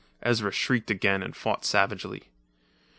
Ezra shrieked again and fought savagely.